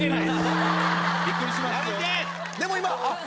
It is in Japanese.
でも今。